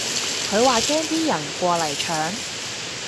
佢話驚啲人過嚟搶